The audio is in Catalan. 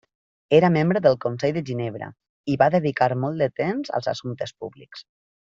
Era membre del Consell de Ginebra i va dedicar molt temps als assumptes públics.